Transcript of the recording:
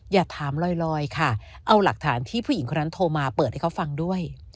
อย่าถามลอยค่ะเอาหลักฐานที่ผู้หญิงคนนั้นโทรมาเปิดให้เขาฟังด้วย